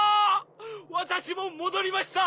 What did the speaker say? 私も戻りました。